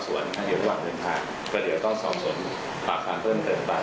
ของเวลาที่ตัวในตั้งอยู่มาไม่ถึงบ้านวางสวนแต่เดี๋ยวต้องสอบสนภาคความเพิ่มเติมไป